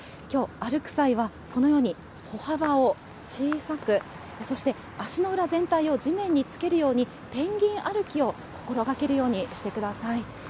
きょう、歩く際はこのように歩幅を小さく、そして足の裏全体を地面につけるように、ペンギン歩きを心がけるようにしてください。